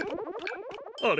あれ？